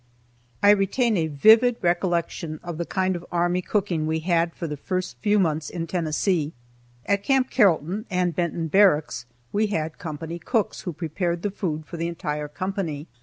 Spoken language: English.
I retain a vivid recollection of the kind of army cooking we had for the first few months in Tennessee. At Camp Carrollton and Benton Barracks we had company cooks who prepared the food for the entire company.